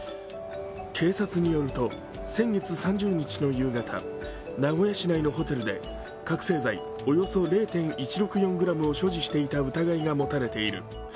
警察によると、先月３０日の夕方、名古屋市内のホテルで覚醒剤およそ０．１６４ｇを所持していた疑いが持たれている。